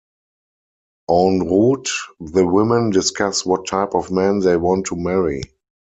En route, the women discuss what type of man they want to marry.